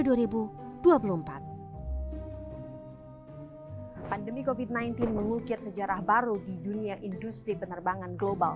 pandemi covid sembilan belas mengukir sejarah baru di dunia industri penerbangan global